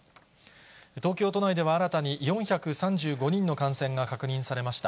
東京都内では、新たに、４３５人の感染が確認されました。